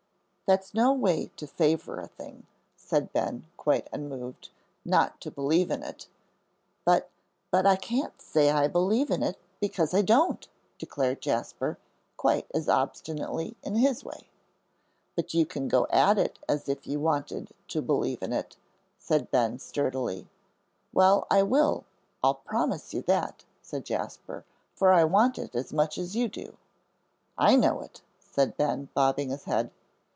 "That's no way to favor a thing," said Ben, quite unmoved, "not to believe in it." "But but I can't say I believe in it, because I don't," declared Jasper, quite as obstinately in his way. "But you can go at it as if you wanted to believe in it," said Ben, sturdily. "Well, I will; I'll promise you that," said Jasper, "for I want it as much as you do." "I know it," said Ben, bobbing his head.